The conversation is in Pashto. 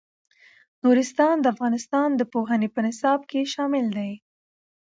نورستان د افغانستان د پوهنې په تعلیمي نصاب کې شامل دی.